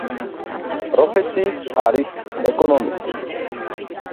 პროფესიით არის ეკონომისტი.